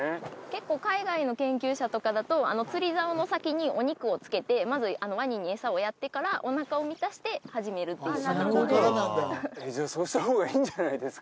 結構海外の研究者とかだと釣り竿の先にお肉を付けてまずワニに餌をやってからおなかを満たして始めるっていうパターンえっじゃあそうした方がいいんじゃないですか？